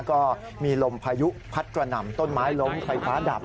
ก็มีลมพายุพัดกระหน่ำต้นไม้ล้มไฟฟ้าดับ